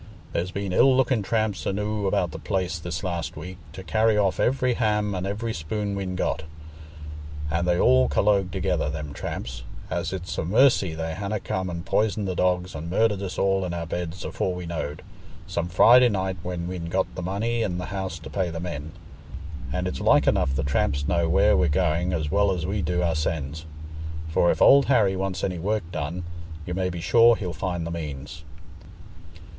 There's been ill looking tramps enoo' about the place this last week, to carry off every ham an' every spoon we'n got; and they all collogue together, them tramps, as it's a mercy they hanna come and poisoned the dogs and murdered us all in our beds afore we knowed, some Friday night when we'n got the money in th' house to pay the men. And it's like enough the tramps know where we're going as well as we do oursens; for if Old Harry wants any work done, you may be sure he'll find the means."